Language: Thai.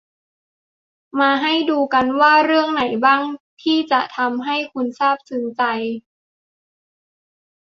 มาให้ดูกันว่า เรื่องไหนบ้างที่จะทำให้คุณซาบซึ้งใจ